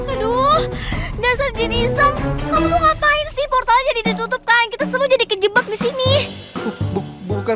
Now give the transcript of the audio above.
aduh dasar jenis om kamu ngapain sih portal jadi ditutupkan kita semua jadi kejebak di sini bukan